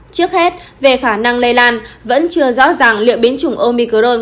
trước hết về khả năng lây lan vẫn chưa rõ ràng liệu biến chủng omicron